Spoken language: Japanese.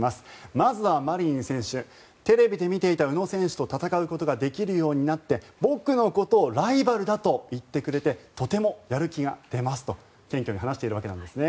まずはマリニン選手テレビで見ていた宇野選手と戦うことができるようになって僕のことをライバルだと言ってくれてとてもやる気が出ますと謙虚に話しているわけですね。